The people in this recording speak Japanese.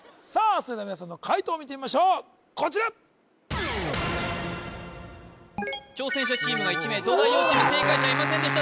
それでは皆さんの解答を見てみましょうこちら挑戦者チームが１名東大王チーム正解者いませんでした